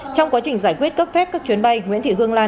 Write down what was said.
trong quá trình giải quyết cấp phép các chuyến bay nguyễn thị hương lan